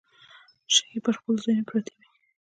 شګې پر خپلو ځايونو پرتې وې.